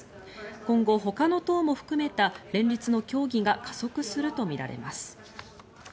今後、ほかの党も含めた連立の協議が加速するとみられます。